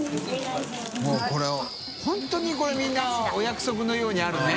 發これ本当にこれみんなお約束のようにあるね。